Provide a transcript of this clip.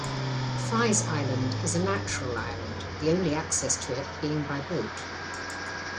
Fry's Island is a natural island, the only access to it being by boat.